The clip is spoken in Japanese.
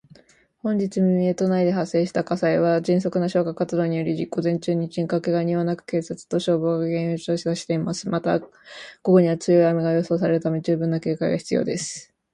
本日未明、都内で発生した火災は、迅速な消火活動により午前中に鎮火。けが人はなく、警察と消防が原因を調査しています。また、午後には強い雨が予想されるため、十分な警戒が必要です。